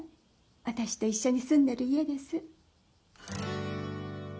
私と一緒に住んでる家です。